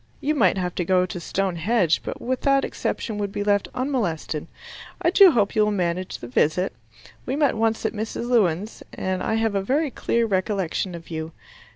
You might have to go to Stone Henge, but with that exception would be left unmolested. I do hope you will manage the visit. We met once at Mrs. Lewin's, and I have a very clear recollection of you.